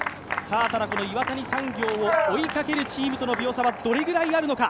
ただ、岩谷産業を追いかけるチームとの秒差はどれくらいあるのか。